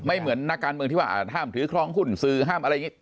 เหมือนนักการเมืองที่ว่าห้ามถือครองหุ้นสื่อห้ามอะไรอย่างนี้